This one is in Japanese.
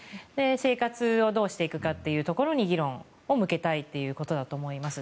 生活をどうしていくかというところに議論を向けたいということだと思います。